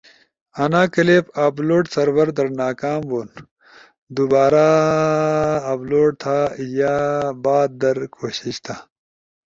انا کلپ اپلوڈ سرور در ناکام ہون، دوبارا اپلوڈ تھا یا بعد در با کوشش تھا۔